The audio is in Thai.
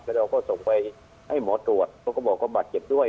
แล้วเราก็ส่งไปให้หมอตรวจเขาก็บอกว่าบาดเจ็บด้วย